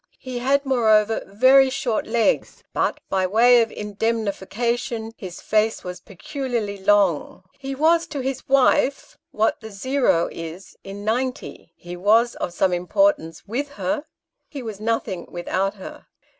He had, moreover, very short legs, but, by way of indemnification, his face was peculiarly long. He was to his wife what the is in 90 he was of some importance icith her he was nothing without her.